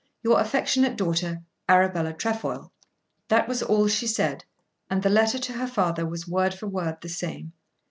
Your affectionate daughter, Arabella Trefoil." That was all she said, and the letter to her father was word for word the same.